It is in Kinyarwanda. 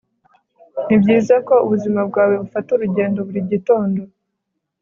Nibyiza ko ubuzima bwawe bufata urugendo buri gitondo